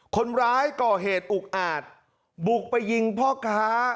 คนร้ายก่อเหตุอุกอาจบุกไปยิงพ่อค้า